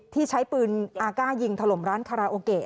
ที่ใช้ปืนอาก้ายิงถล่มร้านคาราโอเกะ